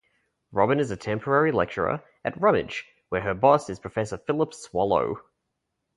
Robyn is a temporary lecturer at Rummidge, where her boss is Professor Philip Swallow.